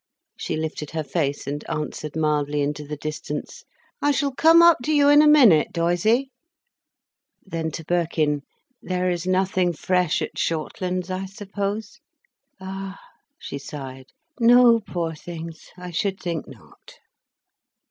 She lifted her face and answered mildly into the distance: "I shall come up to you in a minute, Doysie." Then to Birkin: "There is nothing fresh at Shortlands, I suppose? Ah," she sighed, "no, poor things, I should think not."